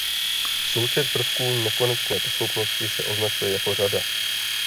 Součet prvků nekonečné posloupnosti se označuje jako řada.